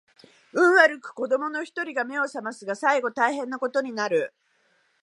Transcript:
運悪く子供の一人が眼を醒ますが最後大変な事になる